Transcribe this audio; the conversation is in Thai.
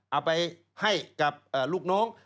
เอาไปให้กับลูกน้อง